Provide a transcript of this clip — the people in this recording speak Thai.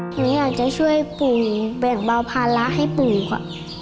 หนูอยากจะช่วยปู่แบ่งเบาภาระให้ปู่ค่ะ